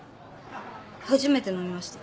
初めて飲みました。